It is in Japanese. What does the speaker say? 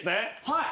はい。